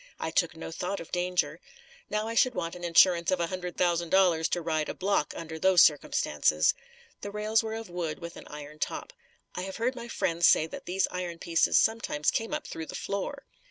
I took no thought of danger. Now I should want an insurance of $100,000 to ride a block under those circumstances. The rails were of wood, with an iron top. I have heard my friends say that these iron pieces sometimes came up through the floor.